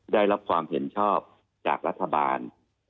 ได้รับความเห็นชอบจากรัฐบาล